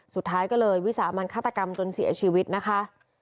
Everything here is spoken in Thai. สุดท้ายก็เลยวิสามันฆาตกรรมจนเสียชีวิตนะคะ